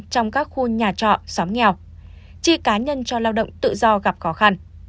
trong các khu nhà trọ xóm nghèo chi cá nhân cho lao động tự do gặp khó khăn